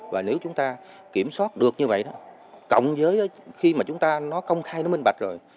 và nếu chúng ta kiểm soát được như vậy đó cộng với khi mà chúng ta nó công khai nó minh bạch rồi